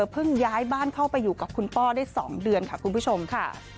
เพิ่งย้ายบ้านเข้าไปอยู่กับคุณป้อได้๒เดือนค่ะคุณผู้ชมค่ะ